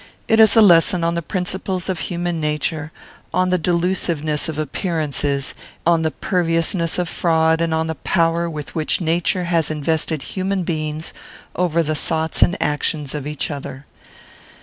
It is a lesson on the principles of human nature; on the delusiveness of appearances; on the perviousness of fraud; and on the power with which nature has invested human beings over the thoughts and actions of each other.